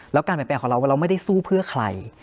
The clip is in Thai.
แล้วการเปลี่ยนแปลงของเราว่าเราไม่ได้สู้เพื่อใคร